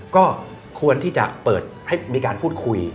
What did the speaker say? ก็ควรที่จะเปิดให้มีการพูดคุย